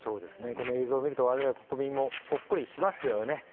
この映像を見ると我々国民もほっこりしますよね。